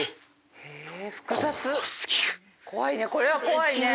怖いね。